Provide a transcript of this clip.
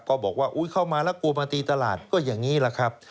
ก็บอกว่าอุ๊ยเข้ามาแล้วกลัวมาตีตลาดก็อย่างนี้แหละครับ